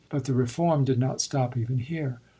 But the re form did not stop even here.